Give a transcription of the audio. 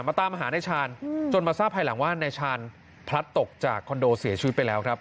ตามหานายชาญจนมาทราบภายหลังว่านายชาญพลัดตกจากคอนโดเสียชีวิตไปแล้วครับ